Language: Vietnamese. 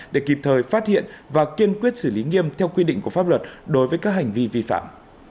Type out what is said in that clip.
để kịp thời phát hiện và kiên quyết xử lý nghiêm theo quy định của pháp luật đối với các hành vi vi phạm